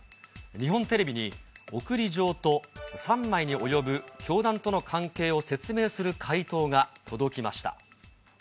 日本テレビに、送り状と３枚に及ぶ教団との関係を説明する回答が届きました。